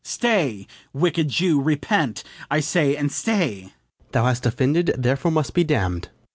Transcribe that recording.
Stay, wicked Jew; repent, I say, and stay. FRIAR JACOMO. Thou hast offended, therefore must be damn'd.